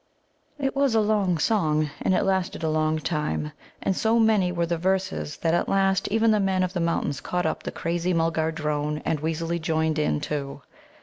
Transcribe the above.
] It was a long song, and it lasted a long time, and so many were the verses, that at last even the Men of the Mountains caught up the crazy Mulgar drone and wheezily joined in, too.